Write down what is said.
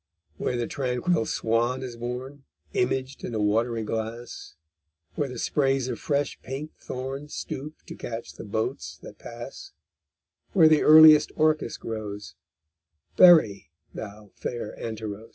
Where the tranquil swan is borne, Imaged in a watery glass, Where the sprays of fresh pink thorn Stoop to catch the boats that pass, Where the earliest orchis grows, Bury thou fair Anterôs.